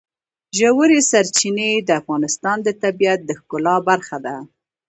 ژورې سرچینې د افغانستان د طبیعت د ښکلا برخه ده.